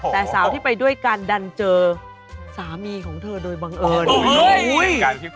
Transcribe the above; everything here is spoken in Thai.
แต่สาวที่ไปด้วยกันดันเจอสามีของเธอโดยบังเอิญ